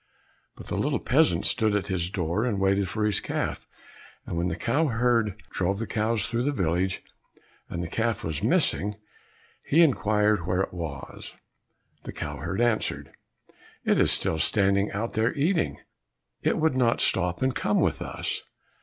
But the little peasant stood at his door, and waited for his little calf, and when the cow herd drove the cows through the village, and the calf was missing, he inquired where it was. The cow herd answered, "It is still standing out there eating. It would not stop and come with us."